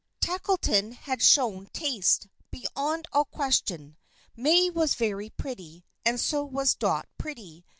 Tackleton had shown taste, beyond all question. May was very pretty. And so was Dot pretty.